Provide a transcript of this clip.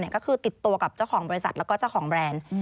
ก็คือติดตัวกับเจ้าของบริษัทแล้วก็เจ้าของแบรนด์